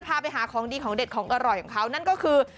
พาไปหาของดีของเด็ดของอร่อยของเขานั่นก็คือ